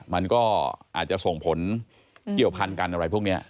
มันก็อาจจะส่งผลเกี่ยวพันกันอะไรพวกนี้